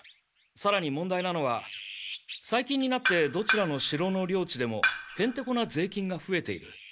さらに問題なのは最近になってどちらの城の領地でもへんてこな税金がふえている。